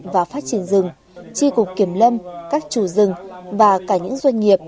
và phát triển rừng tri cục kiểm lâm các chủ rừng và cả những doanh nghiệp